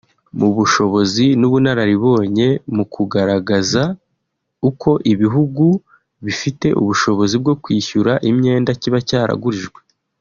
mu bushobozi n’ubunararibonye mu kugaragaza uko ibihugu bifite ubushobozi bwo kwishyura imyenda kiba cyaragurijwe